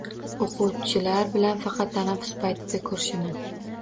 Oʻquvchilar bilan faqat tanaffus paytida ko’rishaman.